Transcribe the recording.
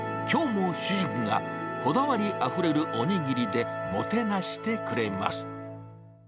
きょうも主人がこだわりあふれるおにぎりで、もてなしてくれます。